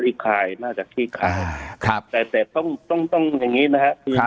คลี่คลายน่าจะคลี่คลายแต่ต้องอย่างนี้นะฮะ